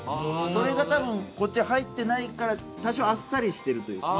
それが多分こっちは入ってないから多少あっさりしてるというか。